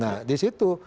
nah di situ